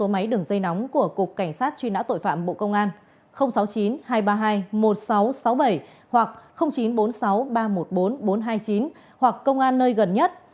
sáu mươi chín hai trăm ba mươi hai một nghìn sáu trăm sáu mươi bảy hoặc chín trăm bốn mươi sáu ba trăm một mươi bốn bốn trăm hai mươi chín hoặc công an nơi gần nhất